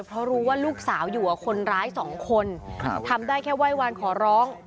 เพราะรู้ว่าลูกสาวอยู่กับคนร้ายสองคนทำได้แค่ไหว้วานขอร้อง